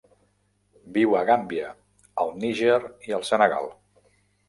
Viu a Gàmbia, el Níger i el Senegal.